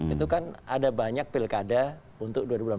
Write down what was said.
itu kan ada banyak pilkada untuk dua ribu delapan belas